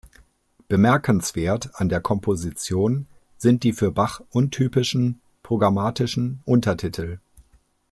Bemerkenswert an der Komposition sind die für Bach untypischen programmatischen Untertitel.